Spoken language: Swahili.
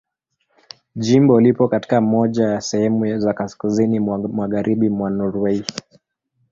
Jimbo lipo katika moja ya sehemu za kaskazini mwa Magharibi mwa Norwei.